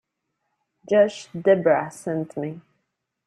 Judge Debra sent me.